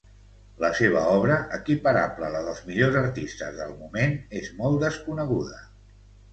La seva obra, equiparable a la dels millors artistes del moment, és molt desconeguda.